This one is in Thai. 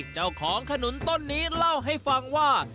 เจ้าของขนุนต้นนี้เล่าให้ฟังว่า